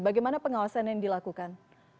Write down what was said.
bagaimana pengawasan yang dilakukan